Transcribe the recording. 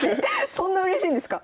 そんなうれしいんですか？